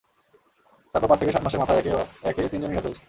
তারপর পাঁচ থেকে সাত মাসের মাথায় একে একে তিনজনই নিহত হয়েছেন।